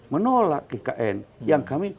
menolak ikn yang kami